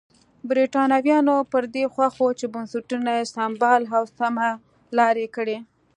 برېټانویان پر دې خوښ وو چې بنسټونه یې سمبال او سمه لار یې کړي.